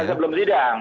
ya sebelum sidang